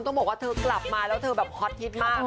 ต้องบอกว่าเธอกลับมาแล้วเธอแบบฮอตฮิตมาก